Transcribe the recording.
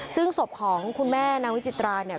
ซึ่งศพของคุณแม่นางวิจิตราเนี่ย